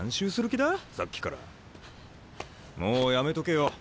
もうやめとけよ。